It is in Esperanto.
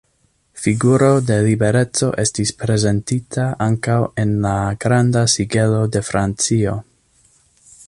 Figuro de Libereco estis prezentita ankaŭ en la Granda Sigelo de Francio.